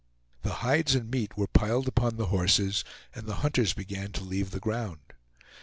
The hides and meat were piled upon the horses, and the hunters began to leave the ground.